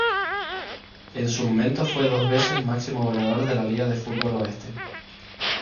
En su momento fue dos veces máximo goleador de la liga de fútbol oeste.